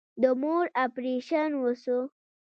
د مور اپريشن وسو.